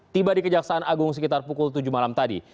tiba di kejaksaan agung sekitar pukul tujuh malam tadi